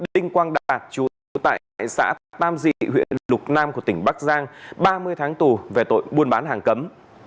đình quang đạt chủ tại xã tam dị huyện lục nam tp bắc giang ba mươi tháng tù về tội buôn bán hàng cấm